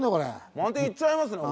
満点いっちゃいますね。